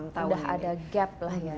sudah ada gap lah ya